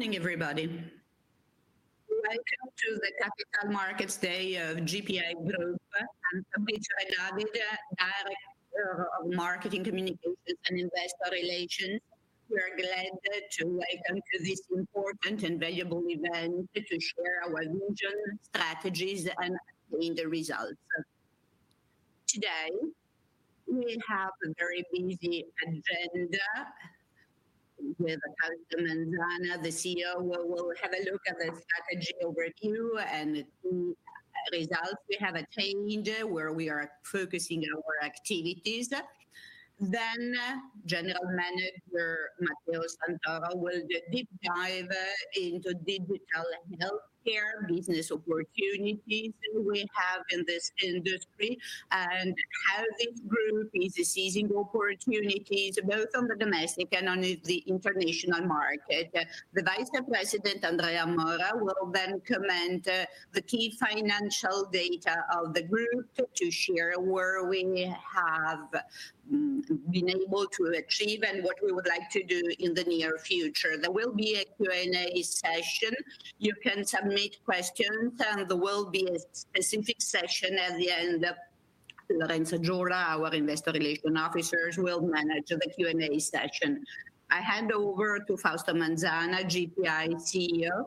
Good morning, everybody. Welcome to the Capital Markets Day of GPI Group, and to be joined by the Director of Marketing Communications and Investor Relations, we are glad to welcome to this important and valuable event to share our vision, strategies, and obtain the results. Today we have a very busy agenda with Fausto Manzana, the CEO, who will have a look at the strategy overview and the results we have attained where we are focusing our activities. Then General Manager Matteo Santoro will do a deep dive into digital healthcare business opportunities we have in this industry and how this group is seizing opportunities both on the domestic and on the international market. The Vice President Andrea Mora will then comment on the key financial data of the group to share where we have been able to achieve and what we would like to do in the near future. There will be a Q&A session. You can submit questions, and there will be a specific session at the end. Lorenzo Giollo, our Investor Relations Officer, will manage the Q&A session. I hand over to Fausto Manzana, GPI CEO.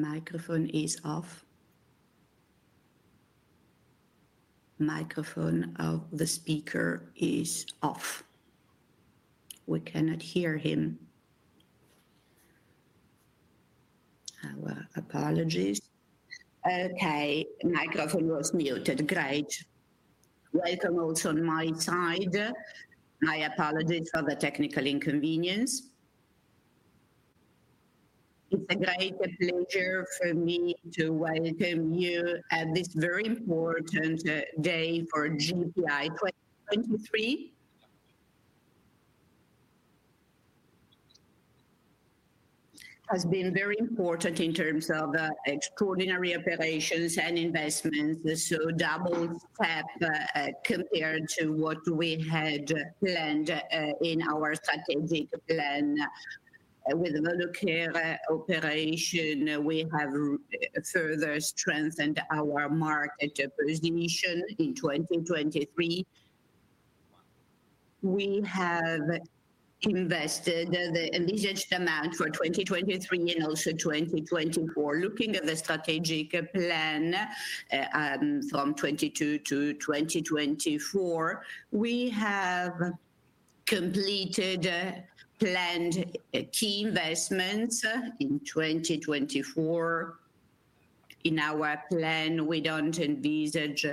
Microphone is off. Microphone of the speaker is off. We cannot hear him. Our apologies. Okay, microphone was muted. Great. Welcome also on my side. My apologies for the technical inconvenience. It's a great pleasure for me to welcome you at this very important day for GPI 2023. It has been very important in terms of extraordinary operations and investments, so double step compared to what we had planned in our strategic plan. With the Evolucare operation, we have further strengthened our market position in 2023. We have invested the envisaged amount for 2023 and also 2024. Looking at the strategic plan from 2022-2024, we have completed planned key investments in 2024. In our plan, we don't envisage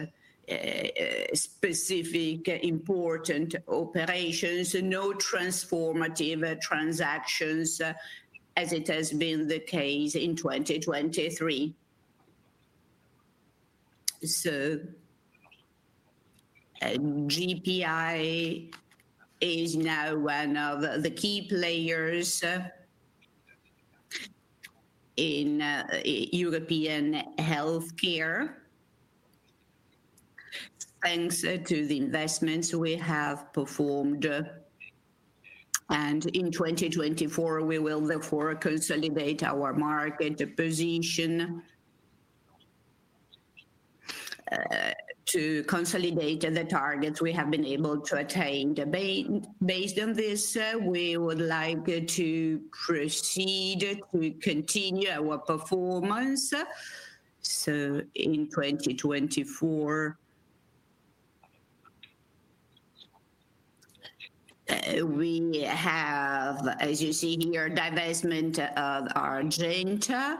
specific important operations, no transformative transactions as it has been the case in 2023. So GPI is now one of the key players in European healthcare, thanks to the investments we have performed. In 2024, we will therefore consolidate our market position to consolidate the targets we have been able to attain. Based on this, we would like to proceed to continue our performance. In 2024, we have, as you see here, divestment of our Argentea.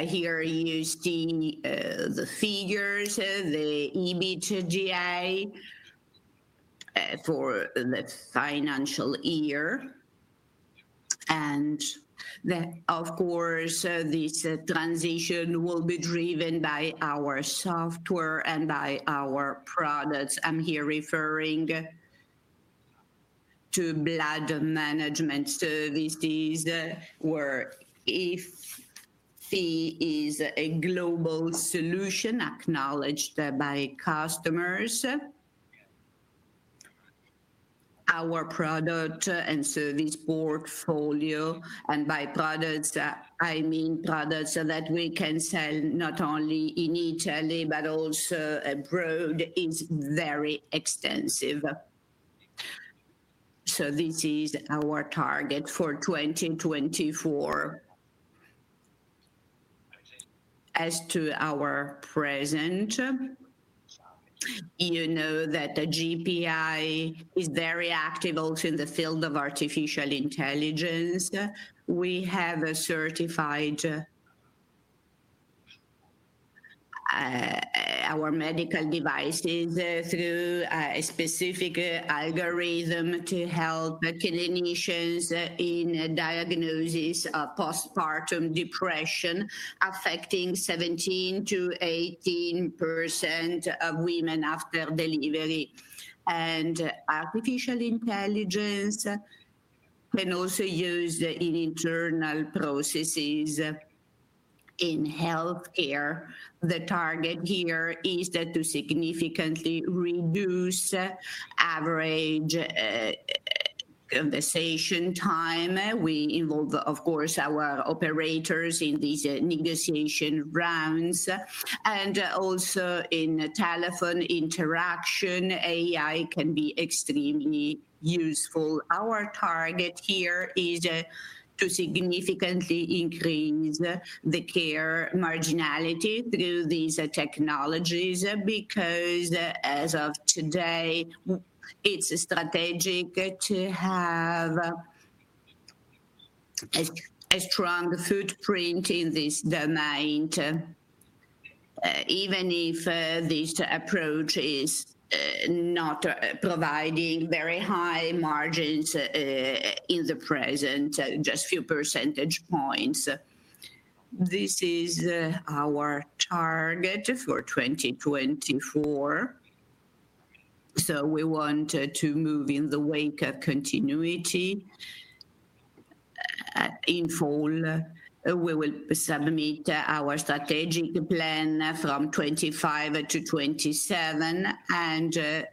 Here are used the figures, the EBITDA for the financial year. Of course, this transition will be driven by our Software and by our products. I'm here referring to blood management services, where e-Delphyn is a global solution acknowledged by customers, our product and service portfolio, and by products, I mean products that we can sell not only in Italy but also abroad, is very extensive. This is our target for 2024. As to our present, you know that GPI is very active also in the field of artificial intelligence. We have certified our medical devices through a specific algorithm to help clinicians in diagnosis of postpartum depression, affecting 17%-18% of women after delivery. Artificial intelligence can also be used in internal processes in healthcare. The target here is to significantly reduce average conversation time. We involve, of course, our operators in these negotiation rounds and also in telephone interaction. AI can be extremely useful. Our target here is to significantly increase the care marginality through these technologies because, as of today, it's strategic to have a strong footprint in this domain, even if this approach is not providing very high margins in the present, just a few percentage points. This is our target for 2024. We want to move in the wake of continuity. In full, we will submit our strategic plan from 2025-2027, and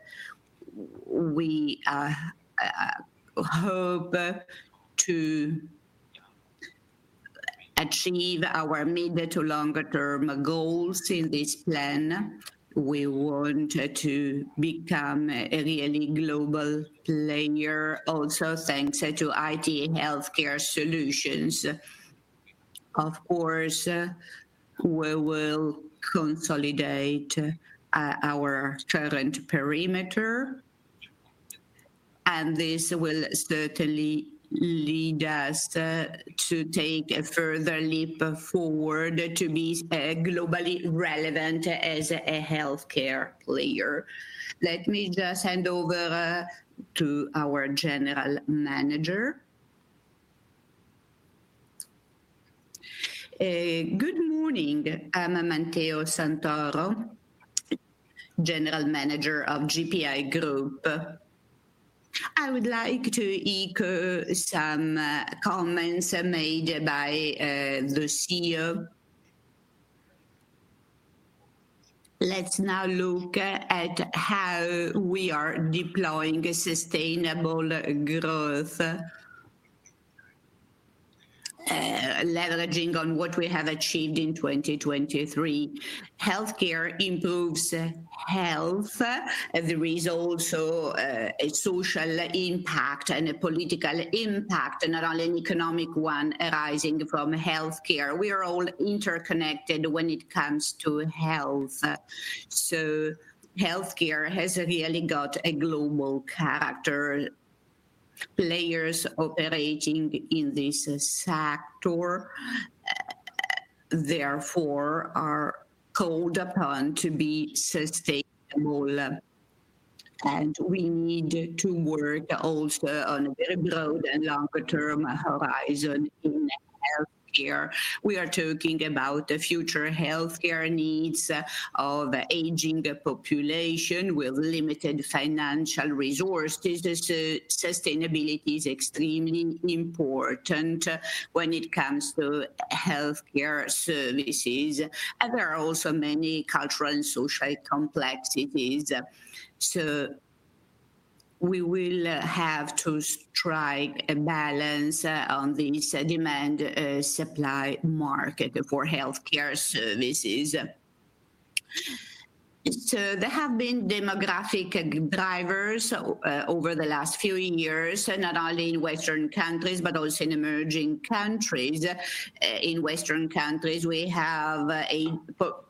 we hope to achieve our mid- to longer-term goals in this plan. We want to become a really global player, also thanks to IT healthcare solutions. Of course, we will consolidate our current perimeter, and this will certainly lead us to take a further leap forward to be globally relevant as a healthcare player. Let me just hand over to our General Manager. Good morning, I'm Matteo Santoro, General Manager of GPI Group. I would like to echo some comments made by the CEO. Let's now look at how we are deploying sustainable growth, leveraging on what we have achieved in 2023. Healthcare improves health. There is also a social impact and a political impact, not only an economic one, arising from healthcare. We are all interconnected when it comes to health. So healthcare has really got a global character. Players operating in this sector, therefore, are called upon to be sustainable. And we need to work also on a very broad and longer-term horizon in healthcare. We are talking about the future healthcare needs of the aging population with limited financial resources. Sustainability is extremely important when it comes to healthcare services, and there are also many cultural and social complexities. So we will have to strike a balance on this demand-supply market for healthcare services. So there have been demographic drivers over the last few years, not only in Western countries but also in emerging countries. In Western countries, we have a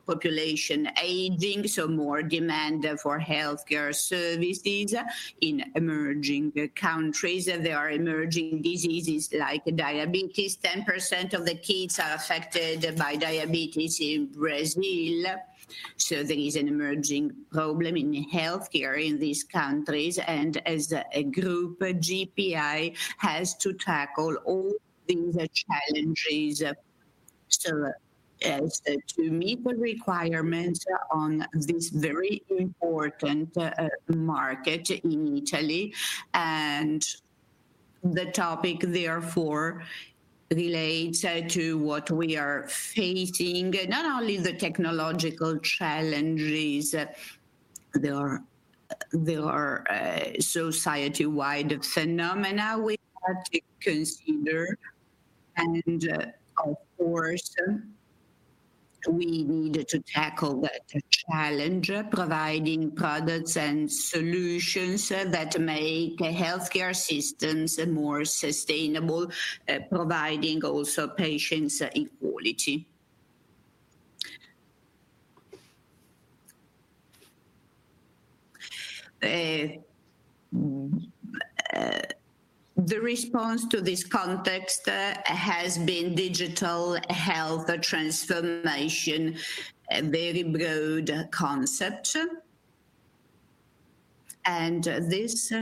population aging, so more demand for healthcare services in emerging countries. There are emerging diseases like diabetes. 10% of the kids are affected by diabetes in Brazil. There is an emerging problem in HealthCare in these countries. As a group, GPI has to tackle all these challenges to meet the requirements on this very important market in Italy. The topic, therefore, relates to what we are facing, not only the technological challenges. There are society-wide phenomena we have to consider. Of course, we need to tackle that challenge, providing products and solutions that make healthcare systems more sustainable, providing also patients' equality. The response to this context has been digital health transformation, a very broad concept. This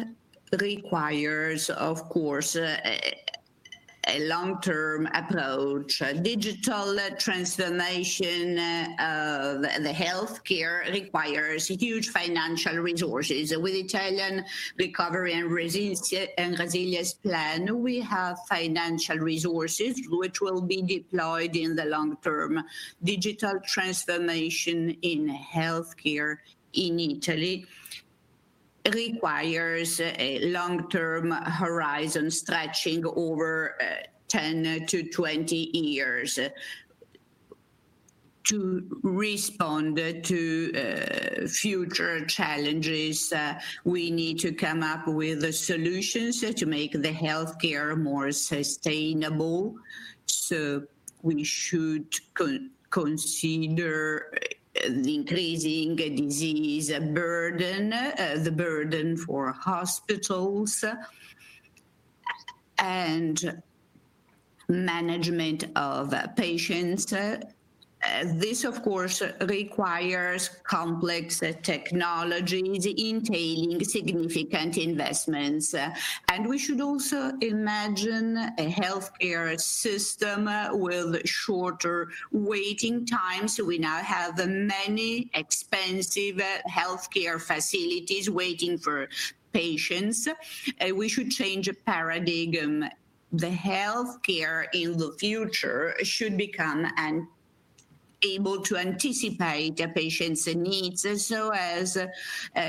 requires, of course, a long-term approach. Digital transformation of the healthcare requires huge financial resources. With the Italian Recovery and Resilience Plan, we have financial resources which will be deployed in the long term. Digital transformation in healthcare in Italy requires a long-term horizon stretching over 10-20 years. To respond to future challenges, we need to come up with solutions to make the healthcare more sustainable. We should consider the increasing disease burden, the burden for hospitals, and management of patients. This, of course, requires complex technologies entailing significant investments. We should also imagine a healthcare system with shorter waiting times. We now have many expensive healthcare facilities waiting for patients. We should change a paradigm. The healthcare in the future should become able to anticipate patients' needs, so as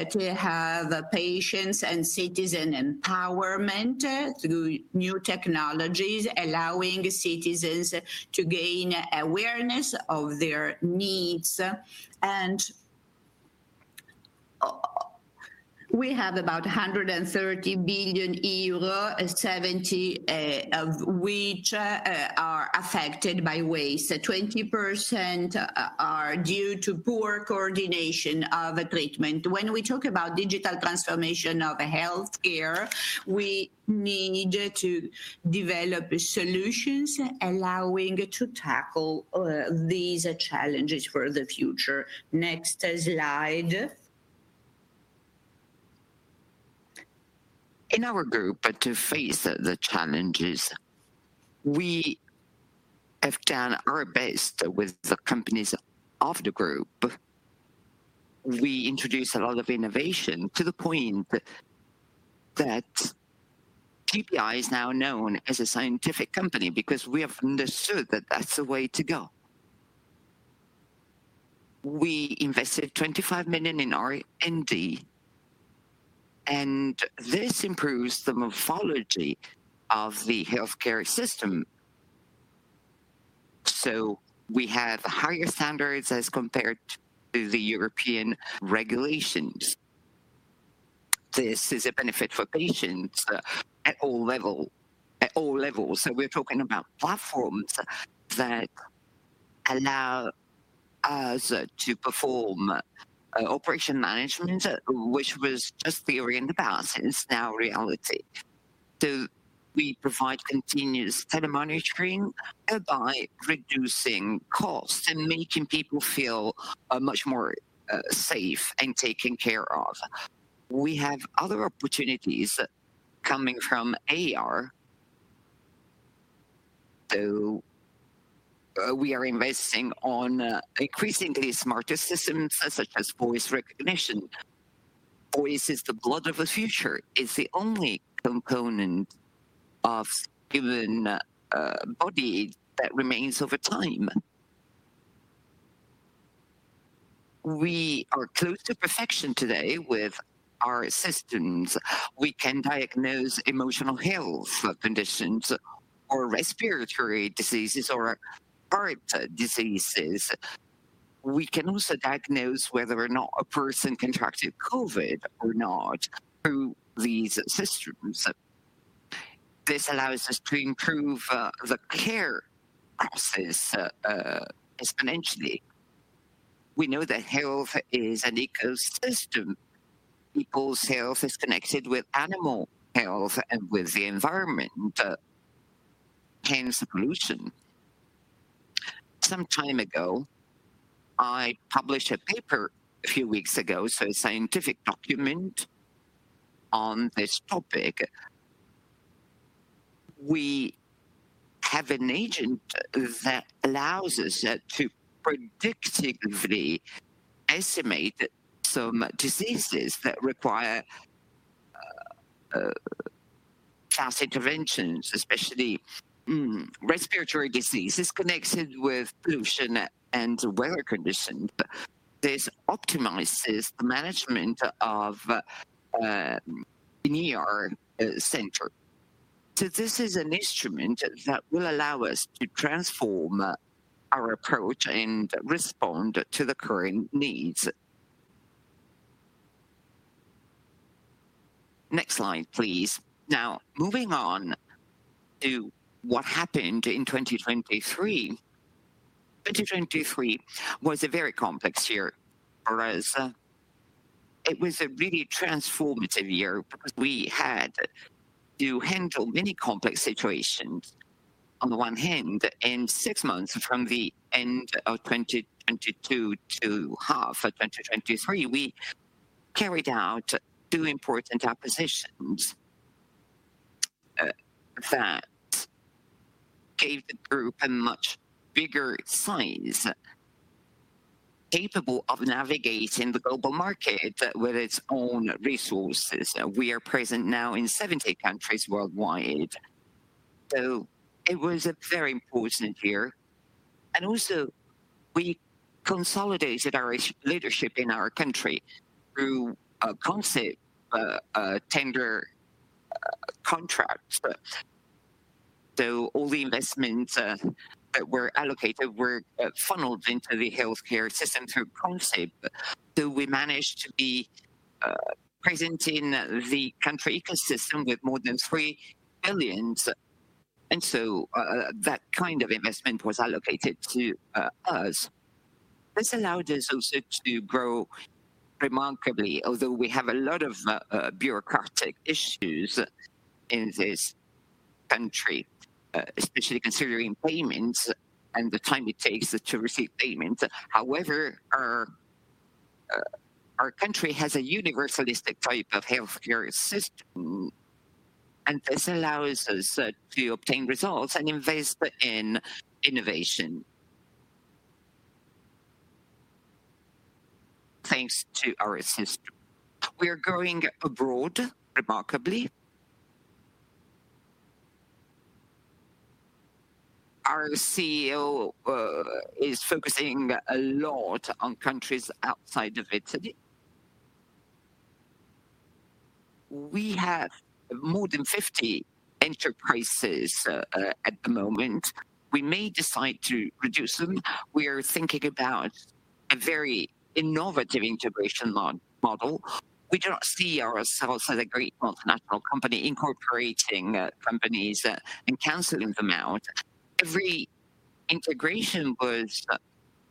to have patients' and citizens' empowerment through new technologies, allowing citizens to gain awareness of their needs. We have about 130 billion euros, 70 billion of which are affected by waste. 20% are due to poor coordination of treatment. When we talk about digital transformation of healthcare, we need to develop solutions allowing to tackle these challenges for the future. Next slide. In our group, to face the challenges, we have done our best with the companies of the group. We introduced a lot of innovation to the point that GPI is now known as a scientific company because we have understood that that's the way to go. We invested 25 million in R&D, and this improves the morphology of the healthcare system. So we have higher standards as compared to the European regulations. This is a benefit for patients at all levels. So we're talking about platforms that allow us to perform operation management, which was just theory in the past. It's now reality. So we provide continuous telemonitoring by reducing costs and making people feel much more safe and taken care of. We have other opportunities coming from AR. So we are investing on increasingly smarter systems such as voice recognition. Voice is the blood of the future. It's the only component of the human body that remains over time. We are close to perfection today with our systems. We can diagnose emotional health conditions or respiratory diseases or heart diseases. We can also diagnose whether or not a person contracted COVID or not through these systems. This allows us to improve the care process exponentially. We know that health is an ecosystem. People's health is connected with animal health and with the environment. Hence the pollution. Some time ago, I published a paper a few weeks ago, so a scientific document on this topic. We have an agent that allows us to predictively estimate some diseases that require fast interventions, especially respiratory diseases connected with pollution and weather conditions. This optimizes the management of a center. So this is an instrument that will allow us to transform our approach and respond to the current needs. Next slide, please. Now, moving on to what happened in 2023. 2023 was a very complex year for us. It was a really transformative year because we had to handle many complex situations on the one hand. In six months from the end of 2022 to half of 2023, we carried out two important acquisitions that gave the group a much bigger size capable of navigating the global market with its own resources. We are present now in 70 countries worldwide. So it was a very important year. And also, we consolidated our leadership in our country through a concept of tender contracts. So all the investments that were allocated were funneled into the healthcare system through CONSIP. So we managed to be present in the country ecosystem with more than 3 billion. And so that kind of investment was allocated to us. This allowed us also to grow remarkably, although we have a lot of bureaucratic issues in this country, especially considering payments and the time it takes to receive payments. However, our country has a universalistic type of healthcare system, and this allows us to obtain results and invest in innovation thanks to our system. We are growing abroad remarkably. Our CEO is focusing a lot on countries outside of Italy. We have more than 50 enterprises at the moment. We may decide to reduce them. We are thinking about a very innovative integration model. We do not see ourselves as a great multinational company incorporating companies and canceling them out. Every integration was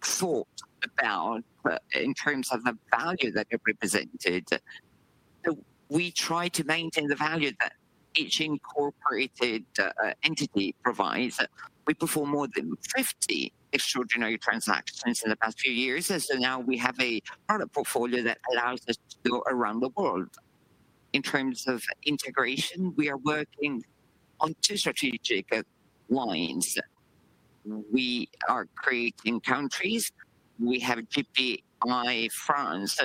thought about in terms of the value that it represented. So we try to maintain the value that each incorporated entity provides. We perform more than 50 extraordinary transactions in the past few years. So now we have a product portfolio that allows us to go around the world. In terms of integration, we are working on two strategic lines. We are creating countries. We have GPI France,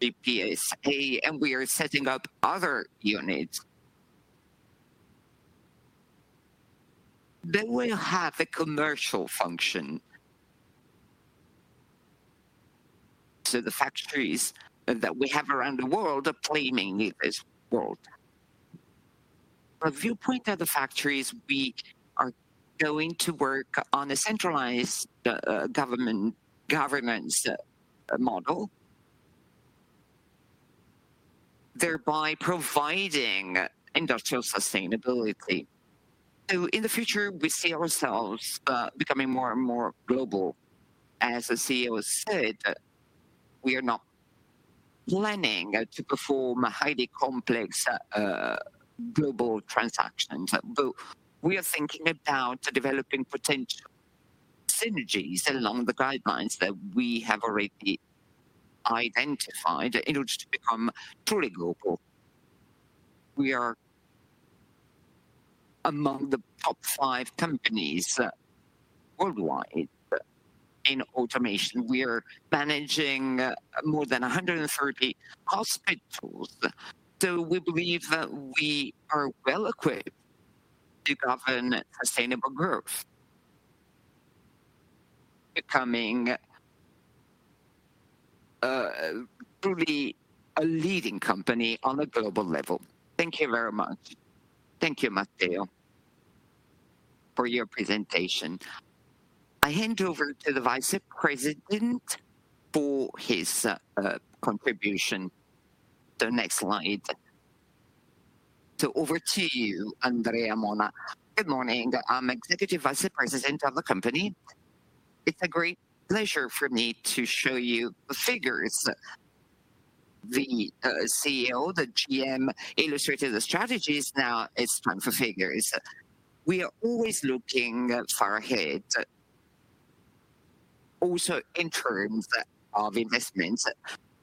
GPI USA, and we are setting up other units. They will have a commercial function. So the factories that we have around the world are claiming this world. From a viewpoint of the factories, we are going to work on a centralized government model thereby providing industrial sustainability. So in the future, we see ourselves becoming more and more global. As the CEO said, we are not planning to perform highly complex global transactions, but we are thinking about developing potential synergies along the guidelines that we have already identified in order to become truly global. We are among the top five companies worldwide in Automation. We are managing more than 130 hospitals. So we believe that we are well equipped to govern sustainable growth, becoming truly a leading company on a global level. Thank you very much. Thank you, Matteo, for your presentation. I hand over to the Vice President for his contribution. So next slide. So over to you, Andrea Mora. Good morning. I'm Executive Vice President of the company. It's a great pleasure for me to show you the figures. The CEO, the GM, illustrated the strategies. Now it's time for figures. We are always looking far ahead, also in terms of investments.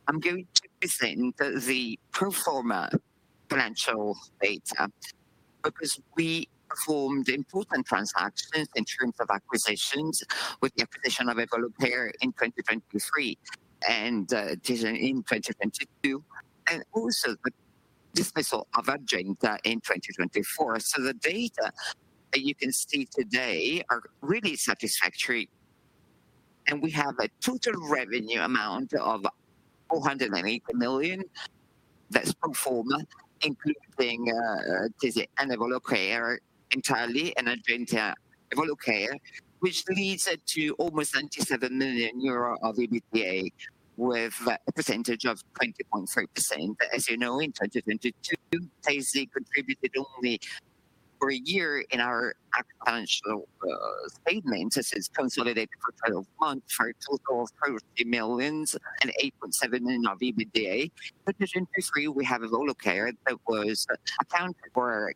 I'm going to present the pro forma financial data because we performed important transactions in terms of acquisitions with the acquisition of Evolucare in 2023 and in 2022, and also the dismissal of Argentea in 2024. So the data that you can see today are really satisfactory. We have a total revenue amount of 480 million that's pro forma, including Evolucare entirely and Argentea Evolucare, which leads to almost 97 million euro of EBITDA with a percentage of 20.3%. As you know, in 2022, Tesi Group contributed only for a year in our financial statements. This is consolidated for 12 months for a total of 30 million and 8.7 million of EBITDA. In 2023, we have Evolucare that was accounted for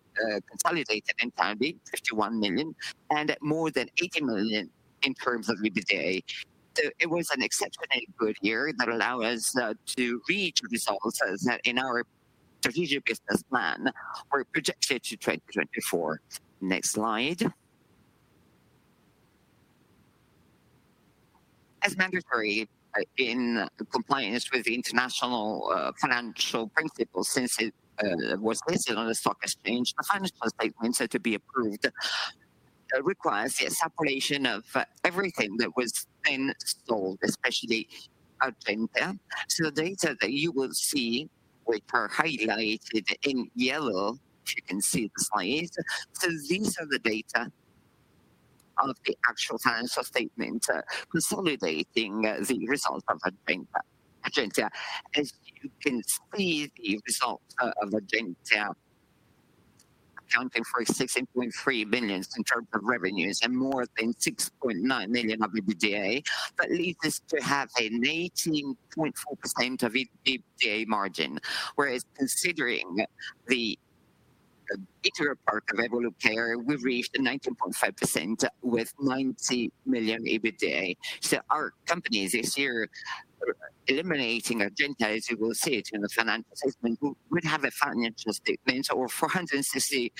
consolidated entirely 51 million and more than 80 million in terms of EBITDA. So it was an exceptionally good year that allowed us to reach results in our strategic business plan. We're projected to 2024. Next slide. As mandatory in compliance with the international financial principles since it was listed on the stock exchange, the financial statements are to be approved. It requires the separation of everything that was then sold, especially Argentea. So the data that you will see, which are highlighted in yellow, if you can see the slides. So these are the data of the actual financial statements consolidating the results of Argentea. As you can see, the results of Argentea accounting for 16.3 million in terms of revenues and more than 6.9 million of EBITDA that leads us to have an 18.4% of EBITDA margin. Whereas considering the bigger part of Evolucare, we reached 19.5% with 90 million EBITDA. So our companies this year eliminating Argentea, as you will see it in the financial statements, would have a financial statement of 463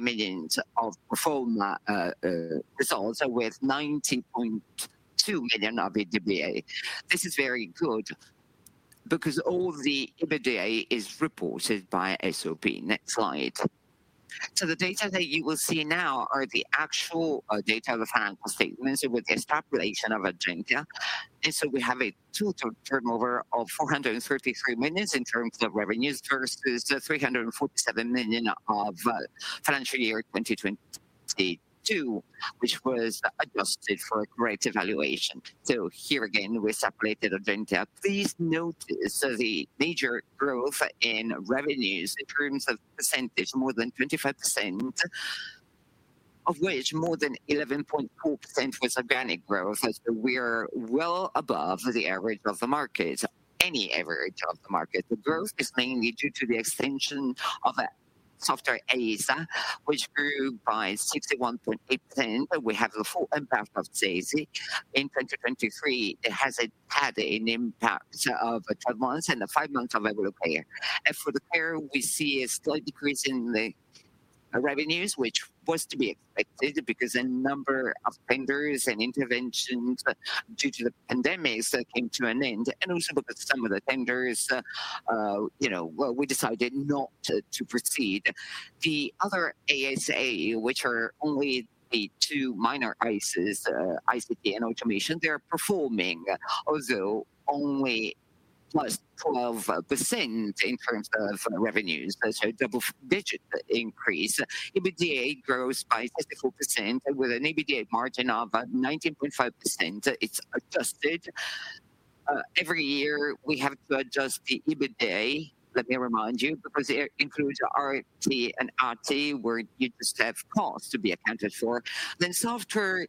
million of pro forma results with 90.2 million of EBITDA. This is very good because all the EBITDA is reported by SOP. Next slide. So the data that you will see now are the actual data of the financial statements with the establishment of Argentea. So we have a total turnover of 433 million in terms of revenues versus 347 million of financial year 2022, which was adjusted for a correct evaluation. So here again, we separated Argentea. Please notice the major growth in revenues in terms of percentage, more than 25% of which more than 11.4% was organic growth. So we are well above the average of the market, any average of the market. The growth is mainly due to the extension of Software ASA, which grew by 61.8%. We have the full impact of Tesi. In 2023, it has had an impact of 12 months and a five-month of Evolucare. For the care, we see a slight decrease in the revenues, which was to be expected because a number of tenders and interventions due to the pandemic came to an end. And also because some of the tenders, we decided not to proceed. The other ASA, which are only the two minor ASAs, ICT and automation, they are performing, although only +12% in terms of revenues. So double-digit increase. EBITDA grows by 54% with an EBITDA margin of 19.5%. It's adjusted. Every year, we have to adjust the EBITDA. Let me remind you because it includes R&D, where you just have costs to be accounted for. Then software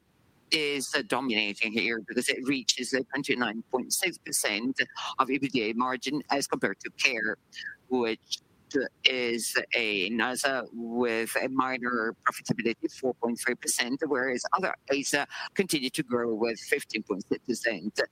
is dominating here because it reaches a 29.6% EBITDA margin as compared to care, which is an ASA with a minor profitability of 4.3%, whereas other ASAs continue to grow with 15.6%. Throughout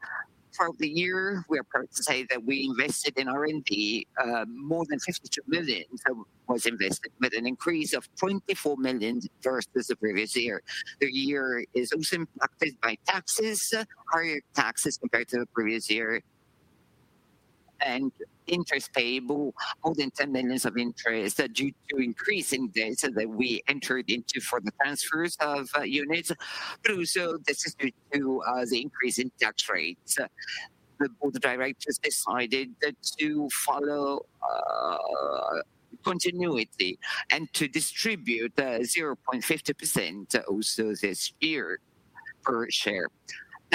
the year, we are proud to say that we invested in R&D more than 52 million. So it was invested with an increase of 24 million versus the previous year. The year is also impacted by taxes, higher taxes compared to the previous year, and interest payable, more than 10 million of interest due to increasing debt that we entered into for the transfers of units. But also, this is due to the increase in tax rates. The board of directors decided to follow continuity and to distribute 0.50% also this year per share.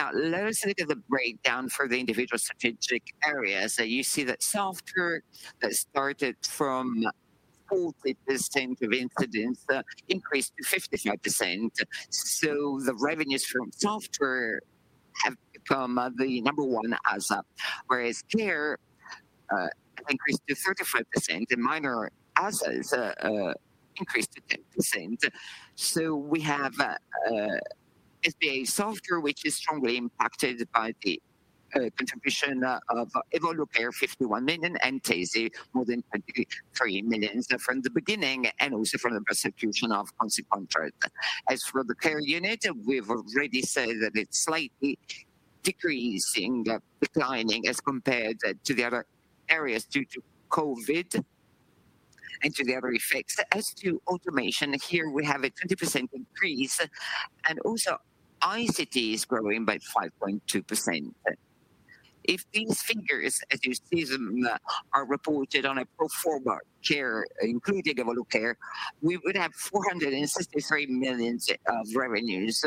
Now, let us look at the breakdown for the individual strategic areas. You see that software that started from 40% of incidents increased to 55%. So the revenues from software have become the number one ASA, whereas care increased to 35% and minor ASAs increased to 10%. So we have SBA software, which is strongly impacted by the contribution of Evolucare, 51 million, and Tesi, more than 23 million from the beginning and also from the persecution of consequentials. As for the Care unit, we've already said that it's slightly decreasing, declining as compared to the other areas due to COVID and to the other effects. As to Automation, here we have a 20% increase, and also ICT is growing by 5.2%. If these figures, as you see them, are reported on a pro forma Care, including Evolucare, we would have 463 million of revenues,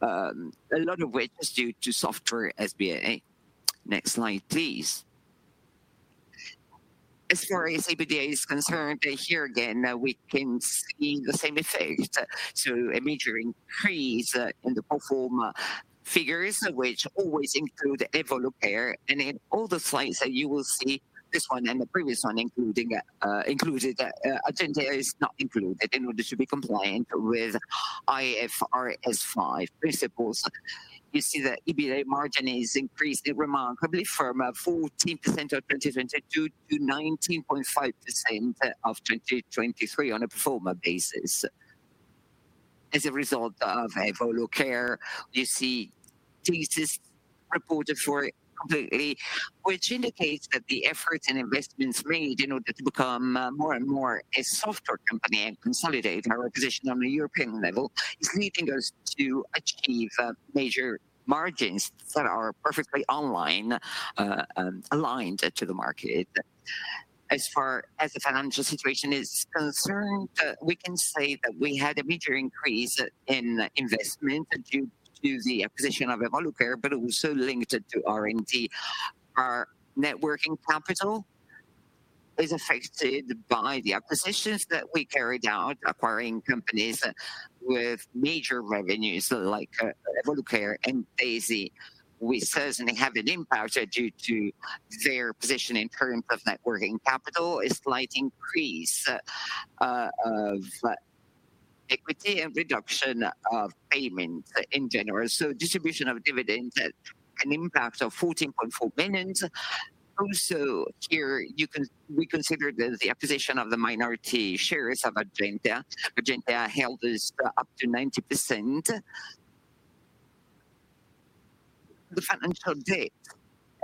a lot of which is due to software SBA. Next slide, please. As far as EBITDA is concerned, here again, we can see the same effect. So a major increase in the pro forma figures, which always include Evolucare. And in all the slides that you will see, this one and the previous one included Argentea is not included in order to be compliant with IFRS 5 principles. You see that EBITDA margin is increased remarkably from 14% of 2022-19.5% of 2023 on a pro forma basis. As a result of Evolucare, you see Tase is reported for completely, which indicates that the efforts and investments made in order to become more and more a software company and consolidate our position on a European level is leading us to achieve major margins that are perfectly online aligned to the market. As far as the financial situation is concerned, we can say that we had a major increase in investment due to the acquisition of Evolucare, but also linked to R&D. Our net working capital is affected by the acquisitions that we carried out, acquiring companies with major revenues like Evolucare and Tase. We certainly have an impact due to their position in terms of net working capital, a slight increase of equity and reduction of payments in general. Distribution of dividends, an impact of 14.4 million. Also, here, we consider that the acquisition of the minority shares of Argentea. Argentea held us up to 90%. The financial debt,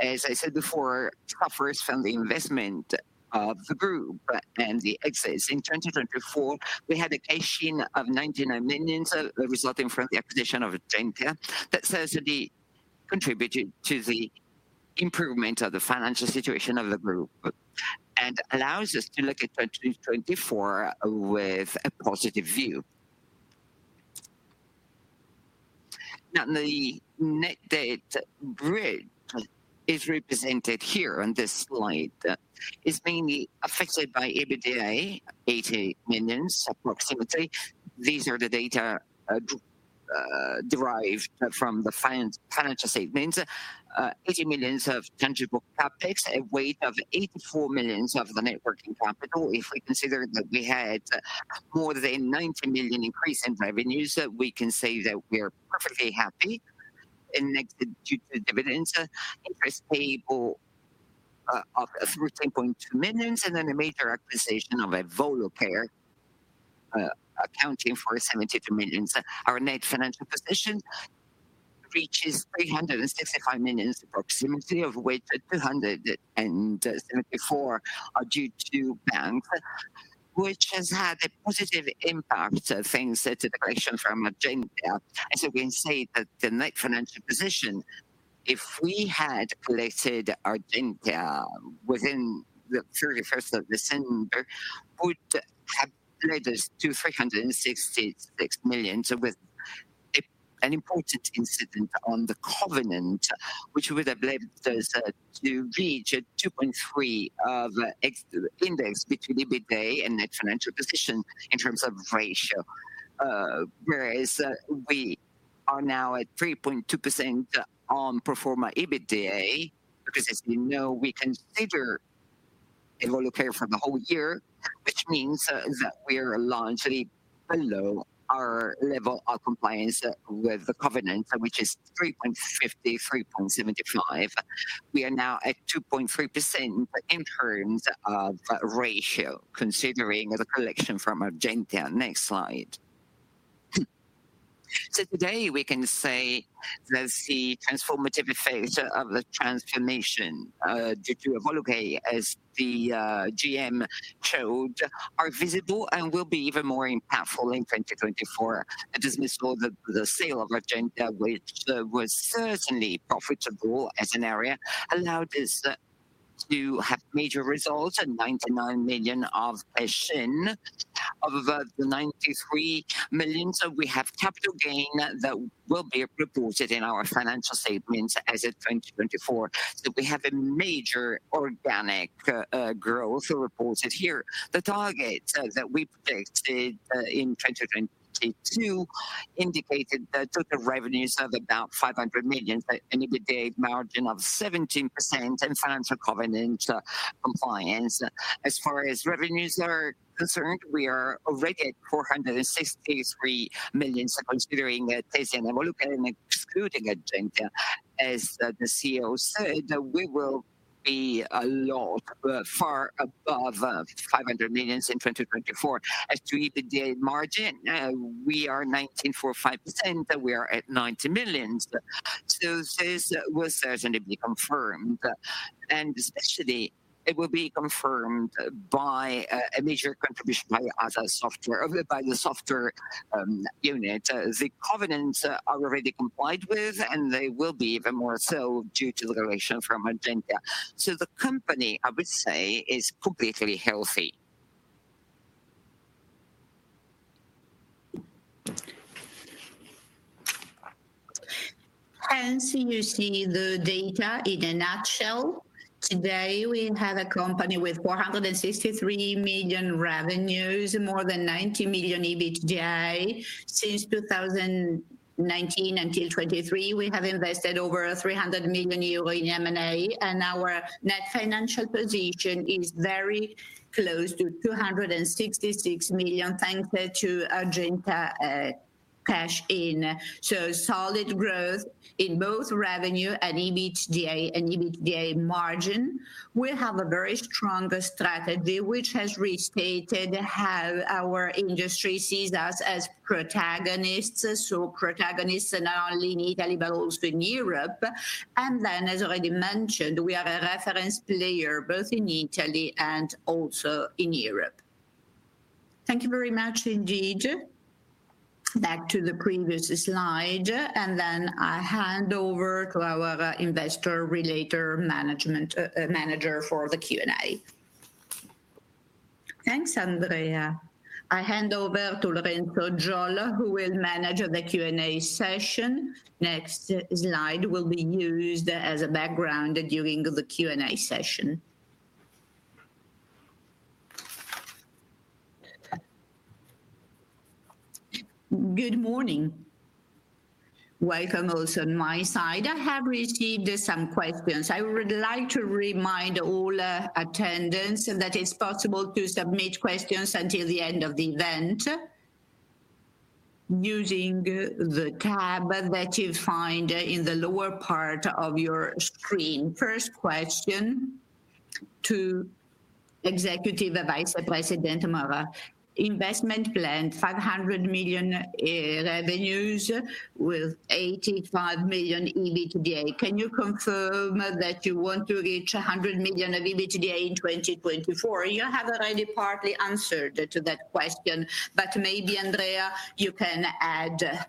as I said before, suffers from the investment of the group and the exits. In 2024, we had a cash-in of 99 million resulting from the acquisition of Argentea that certainly contributed to the improvement of the financial situation of the group and allows us to look at 2024 with a positive view. Now, the net debt bridge is represented here on this slide. It's mainly affected by EBITDA, approximately 80 million. These are the data derived from the financial statements. 80 million of tangible CapEx, a weight of 84 million of the net working capital. If we consider that we had more than 90 million increase in revenues, we can say that we are perfectly happy due to dividends, interest payable of 13.2 million, and then a major acquisition of Evolucare accounting for 72 million. Our net financial position reaches 365 million approximately, of which 274 million are due to banks, which has had a positive impact of things to the collection from Argentea. So we can say that the net financial position, if we had collected Argentea within the 31st of December, would have led us to 366 million with an important incident on the covenant, which would have led us to reach a 2.3 of index between EBITDA and net financial position in terms of ratio. Whereas we are now at 3.2% on pro forma EBITDA because, as you know, we consider Evolucare for the whole year, which means that we are largely below our level of compliance with the covenant, which is 3.50%-3.75%. We are now at 2.3% in terms of ratio, considering the collection from Argentea. Next slide. So today, we can say that the transformative effect of the transformation due to Evolucare, as the GM showed, are visible and will be even more impactful in 2024. The dismissal of the sale of Argentea, which was certainly profitable as an area, allowed us to have major results and 99 million of cash-in of the 93 million. So we have capital gain that will be reported in our financial statements as of 2024. So we have a major organic growth reported here. The target that we predicted in 2022 indicated that total revenues of about 500 million, an EBITDA margin of 17%, and financial covenant compliance. As far as revenues are concerned, we are already at 463 million considering Tesi and Evolucare and excluding Argentea. As the CEO said, we will be a lot far above 500 million in 2024. As to EBITDA margin, we are 19.45%. We are at 90 million. So this will certainly be confirmed. And especially, it will be confirmed by a major contribution by other software, by the software unit. The covenants are already complied with, and they will be even more so due to the relation from Argentea. So the company, I would say, is completely healthy. And so you see the data in a nutshell. Today, we have a company with 463 million revenues, more than 90 million EBITDA. Since 2019 until 2023, we have invested over 300 million euro in M&A. Our net financial position is very close to 266 million thanks to Argentea cash-in. Solid growth in both revenue and EBITDA and EBITDA margin. We have a very strong strategy, which has restated how our industry sees us as protagonists. Protagonists not only in Italy, but also in Europe. Then, as already mentioned, we are a reference player both in Italy and also in Europe. Thank you very much, indeed. Back to the previous slide. Then I hand over to our Investor Relations manager for the Q&A. Thanks, Andrea. I hand over to Lorenzo Giollo, who will manage the Q&A session. Next slide will be used as a background during the Q&A session. Good morning. Welcome also on my side. I have received some questions. I would like to remind all attendants that it's possible to submit questions until the end of the event using the tab that you find in the lower part of your screen. First question to Executive Vice President Mora. Investment plan, 500 million revenues with 85 million EBITDA. Can you confirm that you want to reach 100 million of EBITDA in 2024? You have already partly answered to that question. But maybe, Andrea, you can add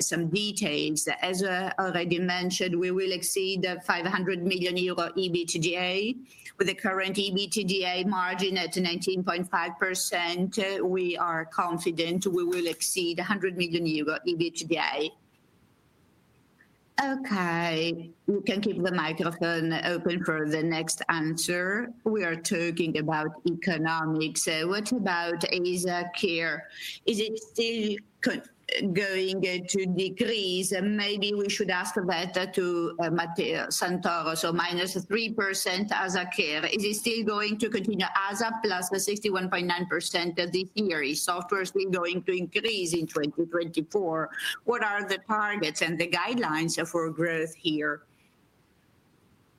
some details. As already mentioned, we will exceed 500 million euro EBITDA. With the current EBITDA margin at 19.5%, we are confident we will exceed 100 million euro EBITDA. Okay. We can keep the microphone open for the next answer. We are talking about economics. What about ASA Care? Is it still going to decrease? Maybe we should ask about that to Matteo Santoro. So minus 3% ASA Care. Is it still going to continue ASA plus the 61.9% this year? Is software still going to increase in 2024? What are the targets and the guidelines for growth here?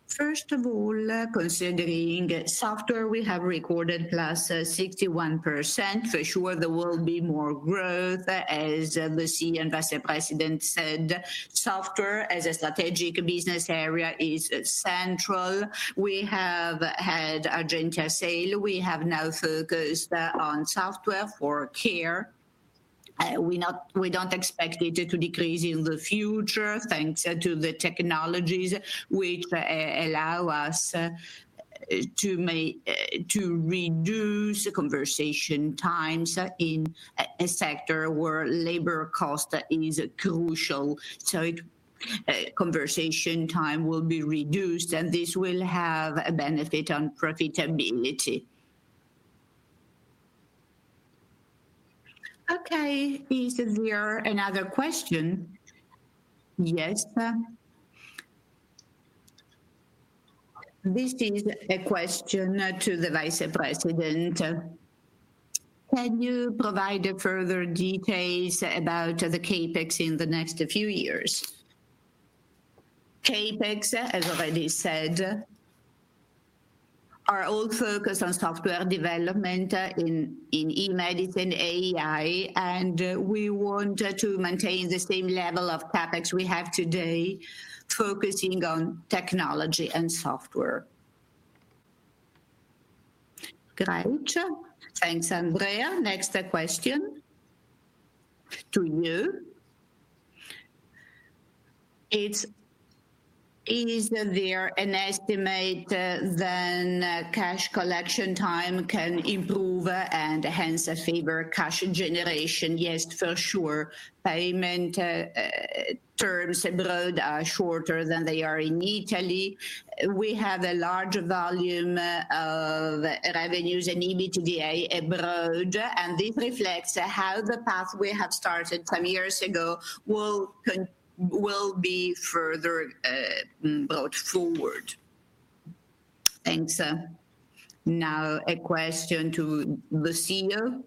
First of all, considering software, we have recorded plus 61%. For sure, there will be more growth, as the CEO and Vice President said. Software, as a strategic business area, is central. We have had Argentea sale. We have now focused on software for care. We don't expect it to decrease in the future thanks to the technologies, which allow us to reduce conversation times in a sector where labor cost is crucial. So conversation time will be reduced, and this will have a benefit on profitability. Okay. Is there another question? Yes. This is a question to the Vice President. Can you provide further details about the CapEx in the next few years? CapEx, as already said, are all focused on software development in e-medicine, AI. And we want to maintain the same level of CapEx we have today, focusing on technology and software. Great. Thanks, Andrea. Next question to you. Is there an estimate that cash collection time can improve and hence favor cash generation? Yes, for sure. Payment terms abroad are shorter than they are in Italy. We have a large volume of revenues and EBITDA abroad. And this reflects how the path we have started some years ago will be further brought forward. Thanks. Now, a question to the CEO.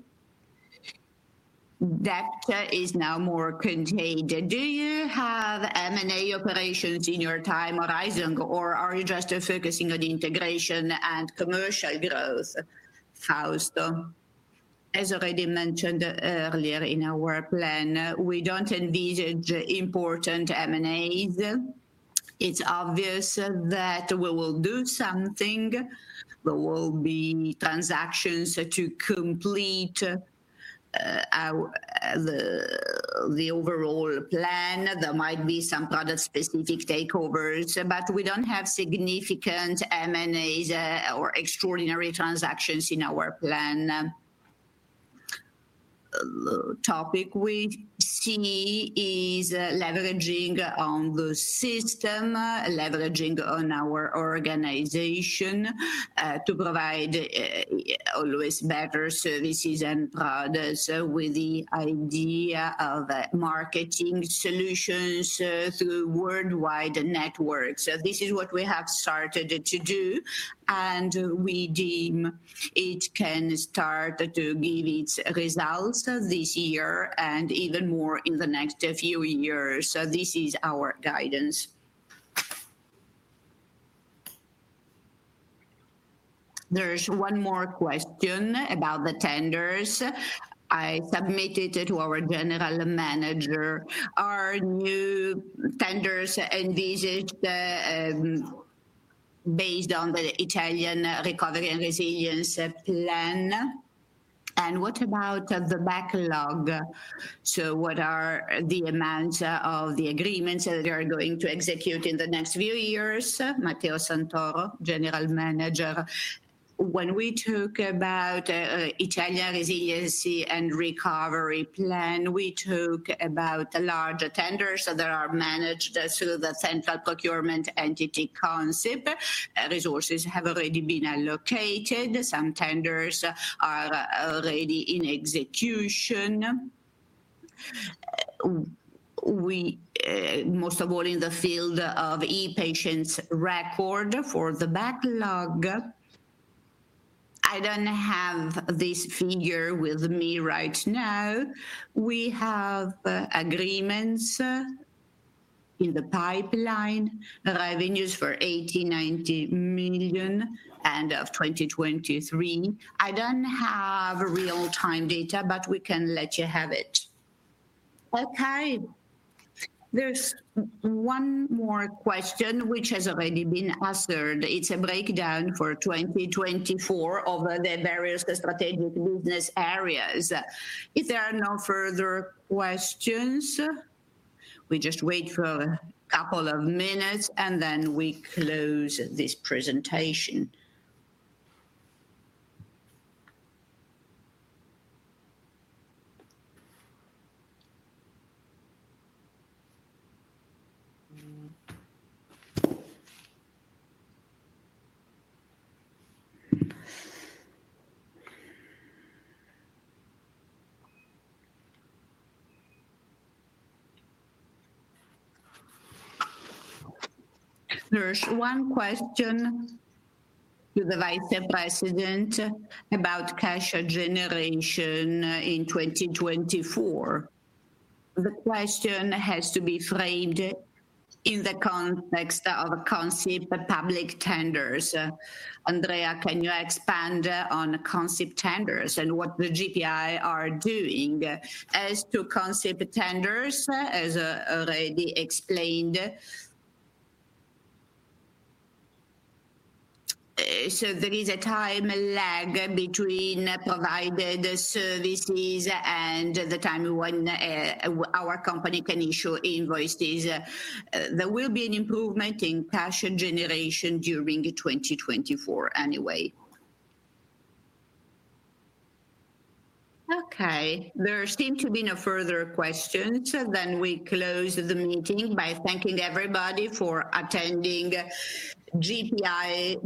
Debt is now more contained. Do you have M&A operations in your time horizon, or are you just focusing on integration and commercial growth? Fausto. As already mentioned earlier in our plan, we don't envisage important M&As. It's obvious that we will do something. There will be transactions to complete the overall plan. There might be some product-specific takeovers, but we don't have significant M&As or extraordinary transactions in our plan. The topic we see is leveraging on the system, leveraging on our organization to provide always better services and products with the idea of marketing solutions through worldwide networks. This is what we have started to do, and we deem it can start to give its results this year and even more in the next few years. This is our guidance. There's one more question about the tenders. I submitted it to our general manager. Are new tenders envisaged based on the Italian recovery and resilience plan? And what about the backlog? So what are the amounts of the agreements that you are going to execute in the next few years? Matteo Santoro, General Manager. When we talk about the Italian Resiliency and Recovery Plan, we talk about large tenders that are managed through the central procurement entity concept. Resources have already been allocated. Some tenders are already in execution. Most of all in the field of e-patients record for the backlog. I don't have this figure with me right now. We have agreements in the pipeline, revenues for 80 million-90 million end of 2023. I don't have real-time data, but we can let you have it. Okay. There's one more question, which has already been answered. It's a breakdown for 2024 over the various strategic business areas. If there are no further questions, we just wait for a couple of minutes, and then we close this presentation. There's one question to the Vice President about cash generation in 2024. The question has to be framed in the context of a concept of public tenders. Andrea, can you expand on concept tenders and what the GPI are doing? As to concept tenders, as already explained, so there is a time lag between provided services and the time when our company can issue invoices. There will be an improvement in cash generation during 2024 anyway. Okay. There seem to be no further questions. Then we close the meeting by thanking everybody for attending GPI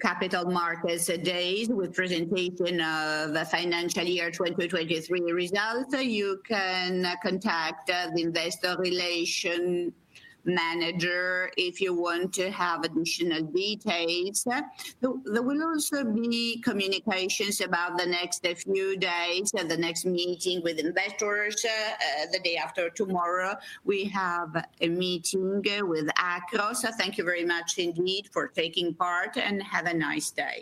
Capital Markets Days with presentation of the financial year 2023 results. You can contact the investor relation manager if you want to have additional details. There will also be communications about the next few days, the next meeting with investors. The day after tomorrow, we have a meeting with Akros. Thank you very much, indeed, for taking part, and have a nice day.